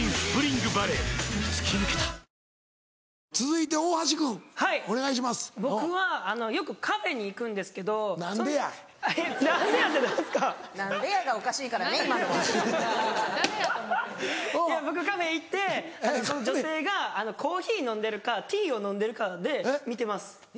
いや僕カフェ行ってその女性がコーヒー飲んでるかティーを飲んでるかで見てます。